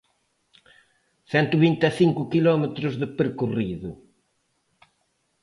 Cento vinte e cinco quilómetros de percorrido.